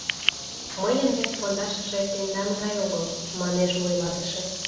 — Мыйын вет пондашыже тендан гай огыл, — манеш вуйлатыше.